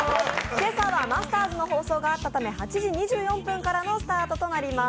今朝はマスターズの放送があったため８時２４分からの放送となっています。